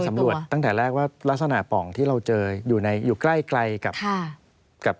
สำรวจตั้งแต่แรกว่ารักษณะป่องที่เราเจออยู่ในอยู่ใกล้กับ